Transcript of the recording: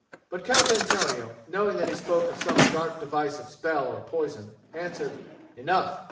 But Count Antonio, knowing that he spoke of some dark device of spell or poison, answered, "Enough!